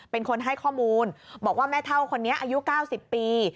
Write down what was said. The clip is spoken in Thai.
เป็นคนให้ข้อมูลบอกว่าแม่เท่าคนนี้อายุ๙๐ปี